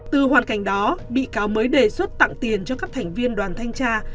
từ hoàn cảnh đó bị cáo mới đề xuất tặng tiền cho các thành viên đoàn thanh tra